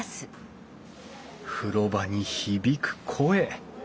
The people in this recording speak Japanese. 風呂場に響く声。